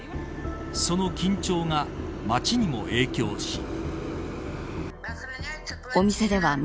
その緊張が街にも影響し。